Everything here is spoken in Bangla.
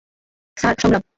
স্যার, সংগ্রাম।